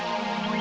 terima kasih pak